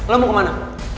lo mau kemana